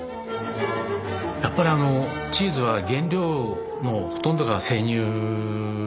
やっぱりチーズは原料のほとんどが生乳。